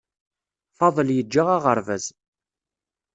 Faḍel yeǧǧa aɣerbaz